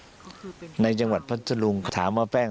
คิดว่าไม่นานคงจับตัวได้แล้วก็จะต้องเค้นไปถามตำรวจที่เกี่ยวข้อง